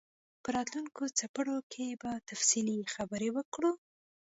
په راتلونکو څپرکو کې به تفصیلي خبرې وکړو.